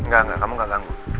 gak gak kamu gak ganggu